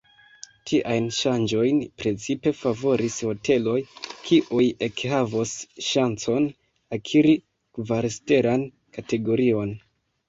Tiajn ŝanĝojn precipe favoris hoteloj, kiuj ekhavos ŝancon akiri kvarstelan kategorion.